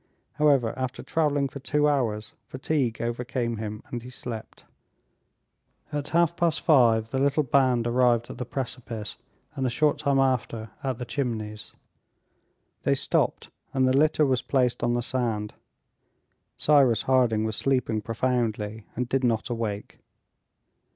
However, after traveling for two hours, fatigue overcame him, and he slept. At half past five the little band arrived at the precipice, and a short time after at the Chimneys. They stopped, and the litter was placed on the sand; Cyrus Harding was sleeping profoundly, and did not awake.